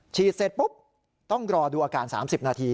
ฉีดเสร็จปุ๊บต้องรอดูอาการ๓๐นาที